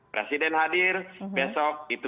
presiden hadir besok itu